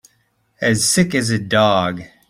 As sick as a dog.